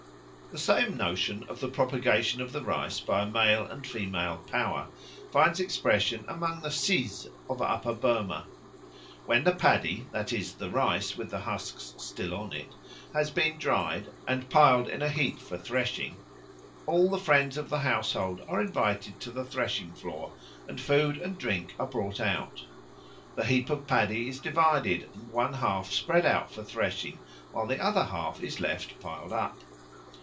The same notion of the propagation of the rice by a male and female power finds expression amongst the Szis of Upper Burma. When the paddy, that is, the rice with the husks still on it, has been dried and piled in a heap for threshing, all the friends of the household are invited to the threshing floor, and food and drink are brought out. The heap of paddy is divided and one half spread out for threshing, while the other half is left piled up.